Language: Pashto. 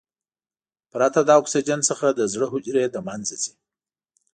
پرته له اکسیجن څخه د زړه حجرې له منځه ځي.